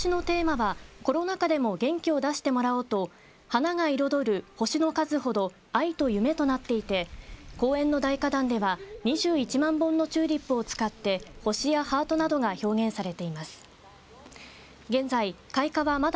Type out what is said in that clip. ことしのテーマはコロナ禍でも元気を出してもらおうと花が彩る星の数ほど愛と希望となっていて公園の大花壇では２１万本のチューリップを使って星やハートなどが表現されています。